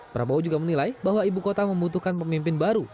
prabowo juga menilai bahwa ibu kota membutuhkan pemimpin baru